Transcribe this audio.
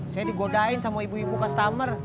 saya digodain sama ibu ibu customer